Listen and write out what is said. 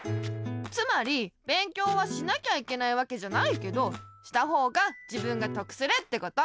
つまり勉強はしなきゃいけないわけじゃないけどしたほうが自分がとくするってこと。